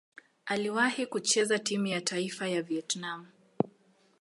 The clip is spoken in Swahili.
Aliwahi kucheza timu ya taifa ya Vietnam.